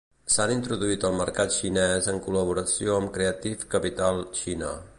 S'han introduït al mercat xinès en col·laboració amb Creative Capital China.